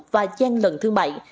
và gian lận thương mại